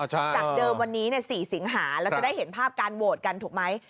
จากเดิมวันนี้๔สิงหาเราจะได้เห็นภาพการโหวตกันถูกไหม